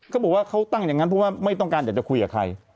เขาบอกว่าเขาตั้งอย่างนั้นเพราะว่าไม่ต้องการอยากจะคุยกับใคร